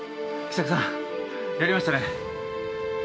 喜作さんやりましたね。